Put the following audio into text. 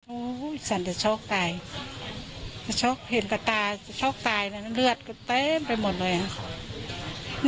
โอ้สันจะโชคตายจะโชคเห็นกระตาจะโชคตายแล้วเลือดก็เต็มไปหมดเลยอ่ะ